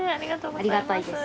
ありがたいです。